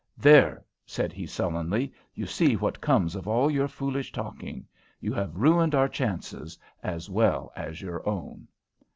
"There!" said he, sullenly. "You see what comes of all your foolish talking! You have ruined our chances as well as your own!"